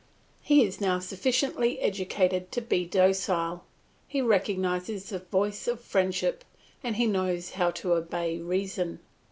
He is now sufficiently educated to be docile; he recognises the voice of friendship and he knows how to obey reason.